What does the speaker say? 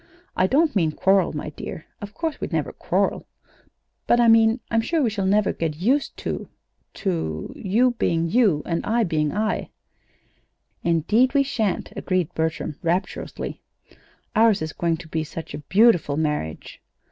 I don't mean quarrel, dear. Of course we'd never quarrel! But I mean I'm sure we shall never get used to to you being you, and I being I." "Indeed we sha'n't," agreed Bertram, rapturously. "Ours is going to be such a beautiful marriage!"